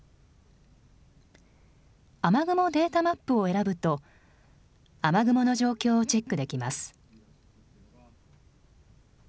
雨雲データマップを選ぶと雨雲の状況をチェックできます。